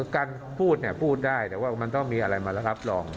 การพูดเนี่ยพูดได้แต่ว่ามันต้องมีอะไรมารับรอง